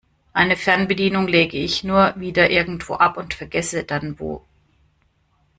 Eine Fernbedienung lege ich nur wieder irgendwo ab und vergesse dann wo.